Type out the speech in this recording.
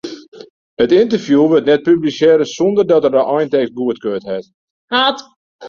It ynterview wurdt net publisearre sonder dat er de eintekst goedkard hat.